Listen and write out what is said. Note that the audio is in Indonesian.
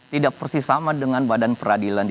tidak persis sama dengan badan peradilan